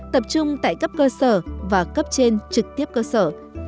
tập trung tại cấp cơ sở và cấp trên trực tiếp cơ sở